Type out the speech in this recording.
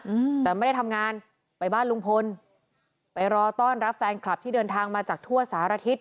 อืมแต่ไม่ได้ทำงานไปบ้านลุงพลไปรอต้อนรับแฟนคลับที่เดินทางมาจากทั่วสารทิศ